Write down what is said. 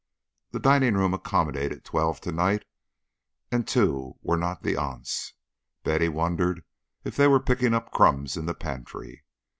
The dining room accommodated twelve tonight, and two were not the aunts. Betty wondered if they were picking up crumbs in the pantry.